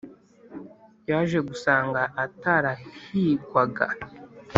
yaje gusanga atarahigwaga